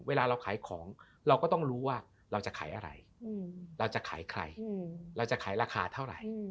เวลาเราขายของเราก็ต้องรู้ว่าเราจะขายอะไรเราจะขายใครเราจะขายราคาเท่าไหร่